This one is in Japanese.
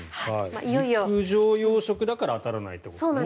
陸上養殖だからあたらないということですね。